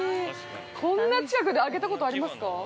こんな近くであげたことありますか。